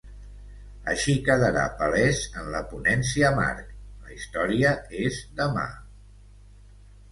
Així quedarà palès en la ponència marc La història és demà!